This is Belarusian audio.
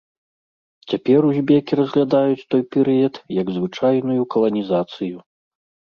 Цяпер узбекі разглядаюць той перыяд як звычайную каланізацыю.